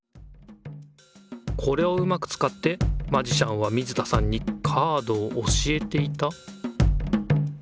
これをうまくつかってマジシャンは水田さんにカードを教えていた？